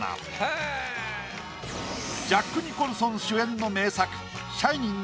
ジャック・ニコルソン主演の名作。